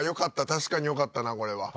確かによかったなこれは。